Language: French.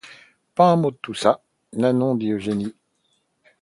Pas un mot de tout ça, Nanon, dit Eugénie.